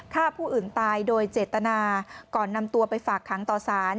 ฆ่าผู้อื่นตายโดยเจตนาก่อนนำตัวไปฝากขังต่อสาร